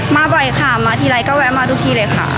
มาบ่อยค่ะมาทีไรก็แวะมาทุกที่เลยค่ะ